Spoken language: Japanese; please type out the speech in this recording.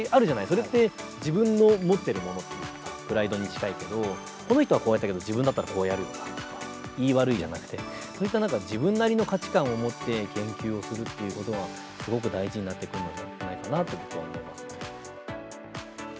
それって、自分の持ってるものっていうか、プライドに近いけど、この人はこうやったけど、自分だったらこうやるよなとか、いい悪いじゃなくて、そういった中で自分なりの価値観を持って研究をするっていうことが、すごく大事になってくるんじゃないかなと僕は思いますね。